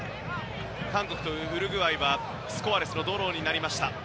韓国とウルグアイはスコアレスのドローになりました。